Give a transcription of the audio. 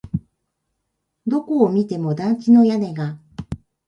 どこを見ても団地の屋根が目に入る。それくらいしか見えるものはない。